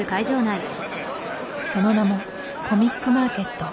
その名もコミックマーケット。